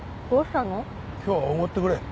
今日はおごってくれ。